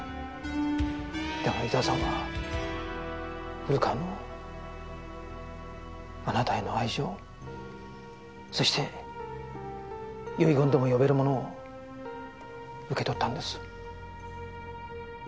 でも伊沢さんは古川のあなたへの愛情そして遺言とも呼べるものを受け取ったんです。